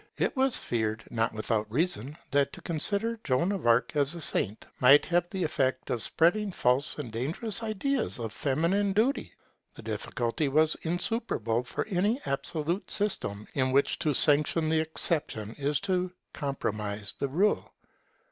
It was feared, not without reason, that to consider Joan of Arc as a saint might have the effect of spreading false and dangerous ideas of feminine duty. The difficulty was insuperable for any absolute system, in which to sanction the exception is to compromise the rule.